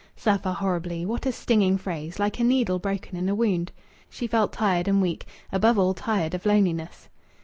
"Suffer horribly" what a stinging phrase, like a needle broken in a wound! She felt tired and weak, above all tired of loneliness.